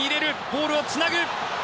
ボールをつなぐ。